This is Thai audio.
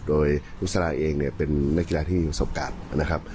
โดยนุษราเองเนี่ยเป็นนักกีฬาที่มีประสบการณ์นะครับ